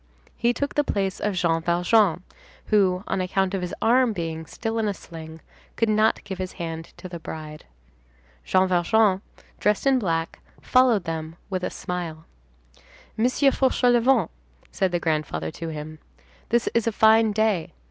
He took the place of Jean Valjean, who, on account of his arm being still in a sling, could not give his hand to the bride. Jean Valjean, dressed in black, followed them with a smile. "Monsieur Fauchelevent," said the grandfather to him, "this is a fine day.